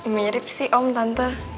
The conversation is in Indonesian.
mirip sih om tante